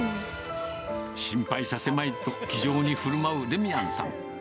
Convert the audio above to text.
心配させまいと、気丈にふるまうデミアンさん。